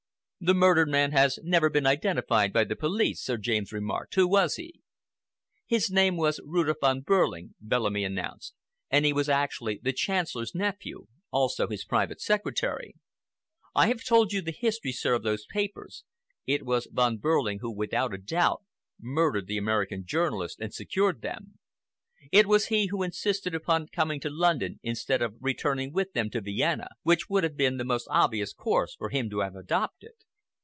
"The murdered man has never been identified by the police," Sir James remarked. "Who was he?" "His name was Rudolph Von Behrling," Bellamy announced, "and he was actually the Chancellor's nephew, also his private secretary. I have told you the history, sir, of those papers. It was Von Behrling who, without a doubt, murdered the American journalist and secured them. It was he who insisted upon coming to London instead of returning with them to Vienna, which would have been the most obvious course for him to have adopted.